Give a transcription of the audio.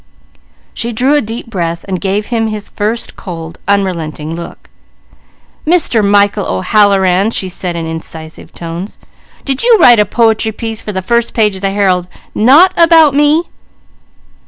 She drew a deep breath, giving him his first cold, unrelenting look. "Mister Michael O'Halloran," she said in incisive tones, "did you write a po'try piece for the first page of the Herald, not about me?"